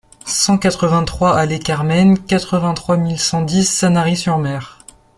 cent quatre-vingt-trois allée Carmen, quatre-vingt-trois mille cent dix Sanary-sur-Mer